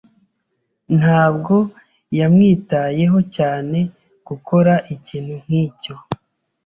Ntabwo yamwitayeho cyane gukora ikintu nkicyo.